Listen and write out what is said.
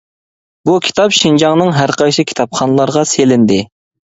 بۇ كىتاب شىنجاڭنىڭ ھەر قايسى كىتابخانلارغا سېلىندى.